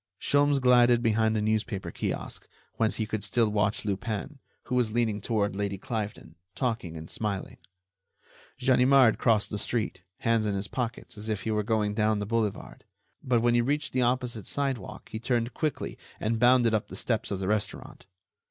Sholmes glided behind a newspaper kiosk, whence he could still watch Lupin, who was leaning toward Lady Cliveden, talking and smiling. Ganimard crossed the street, hands in his pockets, as if he were going down the boulevard, but when he reached the opposite sidewalk he turned quickly and bounded up the steps of the restaurant.